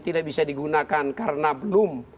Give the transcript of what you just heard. tidak bisa digunakan karena belum